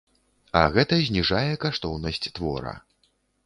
А гэта зніжае каштоўнасць твора.